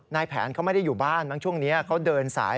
นายแผนเขาไม่ได้อยู่บ้านมั้งช่วงนี้เขาเดินสาย